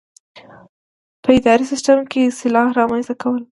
په اداري سیسټم کې اصلاحات رامنځته کول.